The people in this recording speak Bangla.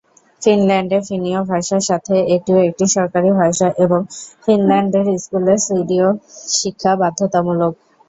ফিনল্যান্ডে ফিনীয় ভাষার সাথে এটিও একটি সরকারী ভাষা এবং ফিনল্যান্ডের স্কুলে সুইডীয় শিক্ষা বাধ্যতামূলক।